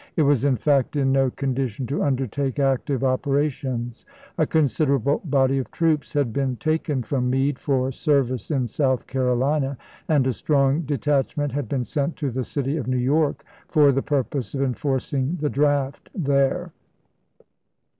It was in fact in no condition to undertake active operations ; a considerable body of troops had been taken from Meade for service in South Carolina, and a strong detachment had been sent to the city of New York for the purpose of enforcing the .draft there.